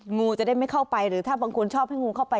งูจะได้ไม่เข้าไปหรือถ้าบางคนชอบให้งูเข้าไป